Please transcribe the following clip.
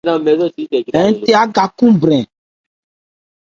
Ɛ́ the yá áka khúúnbrɛn.